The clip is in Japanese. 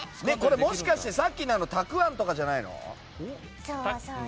もしかして、さっきのたくあんとかじゃないの？